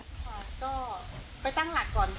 ลาดก่อนค่ะ